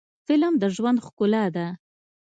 فلم د ژوند ښکلا ده